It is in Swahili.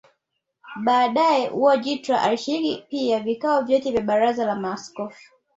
Baadae Wojtyla alishiriki pia vikao vyote vya baraza la maaskofu